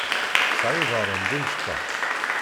Tesɛa iḍaṛṛen d imecṭaḥ.